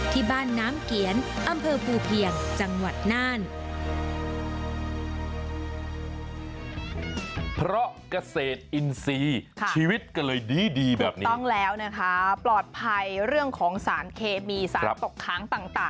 ที่บ้านน้ำเกียรอำเภอภูเพียงจังหวัดน่าน